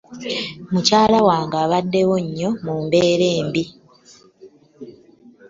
Mukyala wange abaddewo nnyo mu mbeera embi.